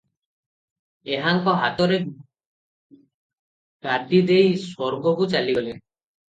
ଏହାଙ୍କ ହାତରେ ଗାଦି ଦେଇ ସ୍ୱର୍ଗକୁ ଚାଲିଗଲେ ।